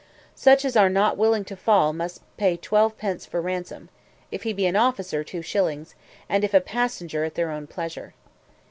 Such as are not willing to fall, must pay twelve pence for ransom; if he be an officer, two shillings; and if a passenger, at their own pleasure.